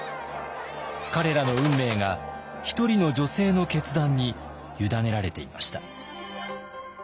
彼らの運命が一人の女性の決断に委ねられていました。